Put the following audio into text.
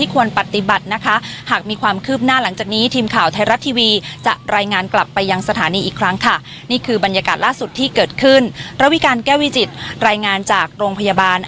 นี่คือบรรยากาศล่าสุดที่เกิดขึ้นระวิการแก้ววิจิตรายงานจากโรงพยาบาล